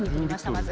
まず。